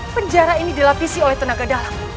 penjara ini dilapisi oleh tenaga dalam